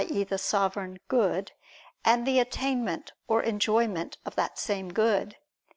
e. the Sovereign Good; and the attainment or enjoyment of that same Good.